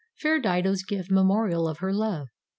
Fair Dido's gift, memorial of her love.